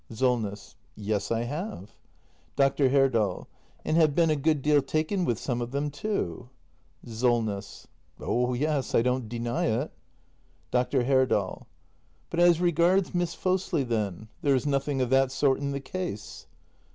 SOLNESS. Yes, I have. Dr. Herdal. And have been a good deal taken with some of them, too. SOLNESS. Oh yes, I don't deny it. Dr. Herdal. But as regards Miss Fosli, then ? There is nothing of that sort in the case